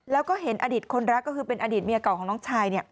แล้วก็เห็นอดีตคนรักก็คือเป็นอดีตเมียเก่าของน้องชาย